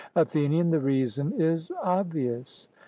ATHENIAN: The reason is obvious.